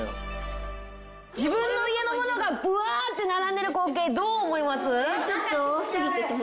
自分の家の物がぶわって並んでる光景どう思います？